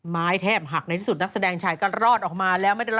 ไม้แทบหักในที่สุดนักแสดงชายก็รอดออกมาแล้วไม่ได้